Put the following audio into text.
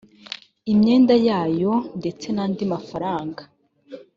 imyenda yayo ndetse n andi mafaranga